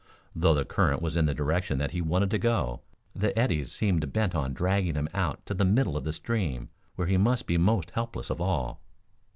Though the current was in the direction that he wanted to go, the eddies seemed bent on dragging him out to the middle of the stream, where he must be most helpless of all.